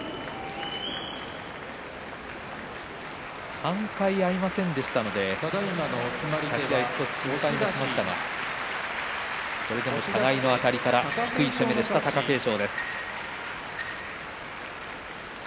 ３回、呼吸が合いませんでしたが立ち合い、少し心配しましたがそれでも立ち合いのあたりから低い攻めでした貴景勝。